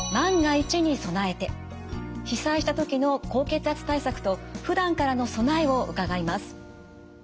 被災した時の高血圧対策とふだんからの備えを伺います。